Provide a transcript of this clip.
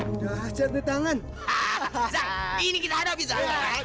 udah cantik tangan ini kita bisa